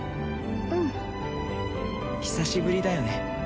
うん久しぶりだよね